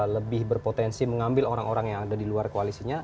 lebih berpotensi mengambil orang orang yang ada di luar koalisinya